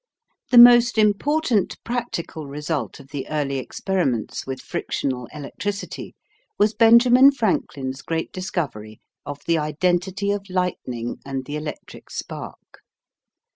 The most important practical result of the early experiments with frictional electricity was Benjamin Franklin's great discovery of the identity of lightning and the electric spark.